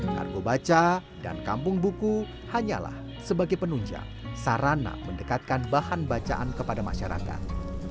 kargo baca dan kampung buku hanyalah sebagai penunjang sarana mendekatkan bahan bacaan kepada masyarakat